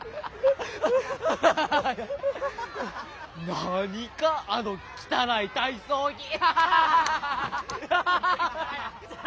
何かあの汚い体操着！